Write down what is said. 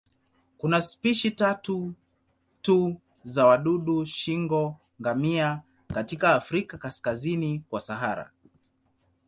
Kuna spishi tatu tu za wadudu shingo-ngamia katika Afrika kaskazini kwa Sahara.